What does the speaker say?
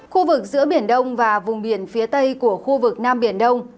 khu vực giữa biển đông và vùng biển phía tây của khu vực nam biển đông